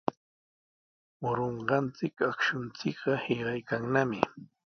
Murunqachik akshunchikqa hiqaykannami.